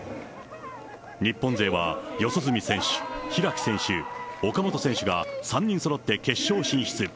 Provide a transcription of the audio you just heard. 日本勢は、四十住選手、開選手、岡本選手が３人そろって決勝進出。